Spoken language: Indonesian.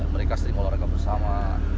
mereka sering olahraga bersama